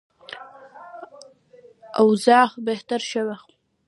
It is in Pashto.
اوضاع بهتره شوه.